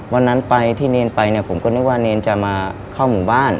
วันนั้นไปที่เนรไปเนี่ยผมก็นึกว่าเนรจะมาเข้าหมู่บ้าน